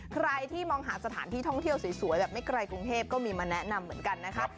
ใครที่มองหาสถานที่ท่องเที่ยวสวยแบบไม่ไกลกรุงเทพก็มีมาแนะนำเหมือนกันนะคะ